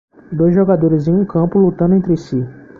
dois jogadores em um campo lutando entre si.